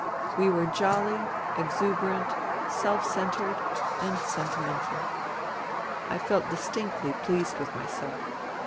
We were jolly, exuberant, self centred and senti mental. I felt distinctly pleased with myself.